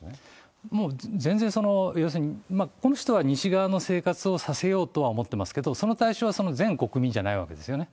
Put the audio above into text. もう、全然、要するに、この人は西側の生活をさせようとは思ってますけど、その対象はその全国民じゃないわけですよね。